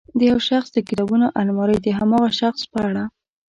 د یو شخص د کتابونو المارۍ د هماغه شخص په اړه.